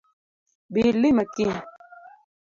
Bi ilima kiny